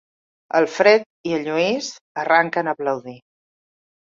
El Fred i el Lluís arrenquen a aplaudir.